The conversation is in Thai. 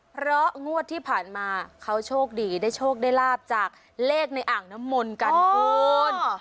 เพราะงวดที่ผ่านมาเขาโชคดีได้โชคได้ลาบจากเลขในอ่างน้ำมนต์กันคุณ